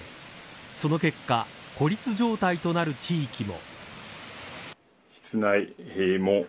その結果孤立状態となる地域も。